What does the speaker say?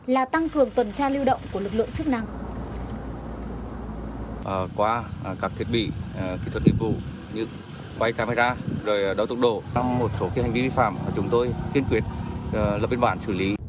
là tăng cường tuần tra lưu động của lực lượng chức năng